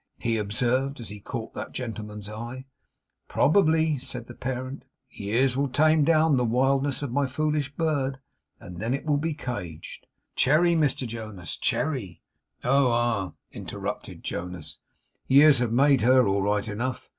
he observed, as he caught that gentleman's eye. 'Probably,' said the parent. 'Years will tame down the wildness of my foolish bird, and then it will be caged. But Cherry, Mr Jonas, Cherry ' 'Oh, ah!' interrupted Jonas. 'Years have made her all right enough.